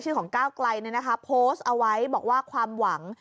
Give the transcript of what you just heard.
ของก้าวไกลโพสต์เอาไว้บอกว่าความหวัง